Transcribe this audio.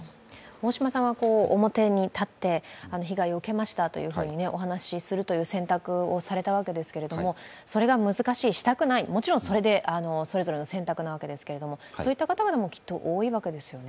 大島さんは表に立って被害を受けましたとお話しするという選択をされたわけですけど、それが難しい、したくない、それはそれぞれ選択なわけですけれどもそういった方々も多いわけですよね？